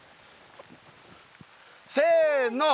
せの！